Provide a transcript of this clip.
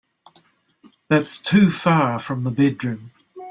That's too far from the bedroom.